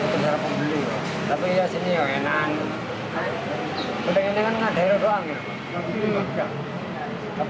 pembeli minyak curah lebih banyak gak pak